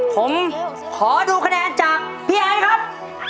ผมขอดูคะแนนจากพี่ไอ้ครับ